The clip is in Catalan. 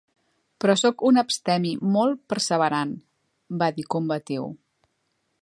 "Però sóc un abstemi molt perseverant", va dir combatiu.